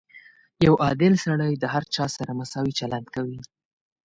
• یو عادل سړی د هر چا سره مساوي چلند کوي.